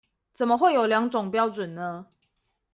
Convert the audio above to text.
怎麼會有兩種標準呢？